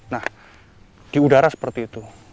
nah di udara seperti itu